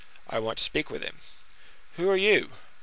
"I want to speak with him." "Who are you?"